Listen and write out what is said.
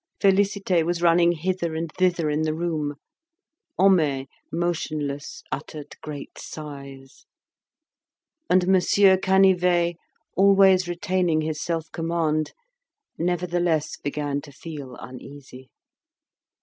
Félicité was running hither and thither in the room. Homais, motionless, uttered great sighs; and Monsieur Canivet, always retaining his self command, nevertheless began to feel uneasy.